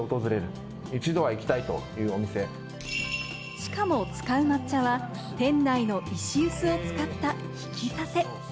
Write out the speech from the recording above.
しかも使う抹茶は店内の石臼を使った引き立て。